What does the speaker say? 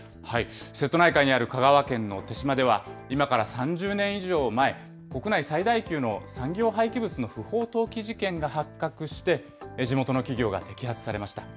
瀬戸内海にある香川県の豊島では、今から３０年以上前、国内最大級の産業廃棄物の不法投棄事件が発覚して、地元の企業が摘発されました。